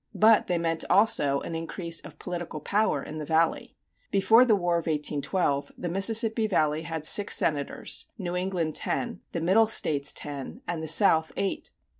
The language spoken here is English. But they meant also an increase of political power in the Valley. Before the War of 1812 the Mississippi Valley had six senators, New England ten, the Middle States ten, and the South eight.